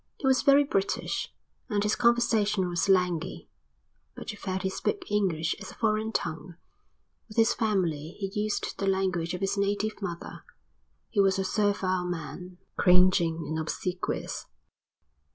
He was very British, and his conversation was slangy, but you felt he spoke English as a foreign tongue; with his family he used the language of his native mother. He was a servile man, cringing and obsequious.